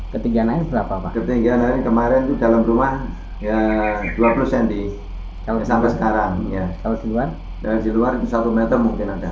ketinggian hari kemarin dalam rumah dua puluh cm